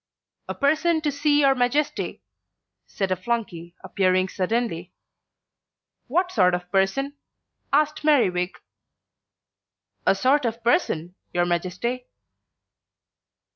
"A person to see your Majesty," said a flunkey, appearing suddenly. "What sort of person?" asked Merriwig. "A sort of person, your Majesty."